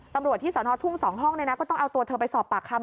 ตำรวจที่สนทุ่ง๒ห้องก็ต้องเอาตัวเธอไปสอบปากคำ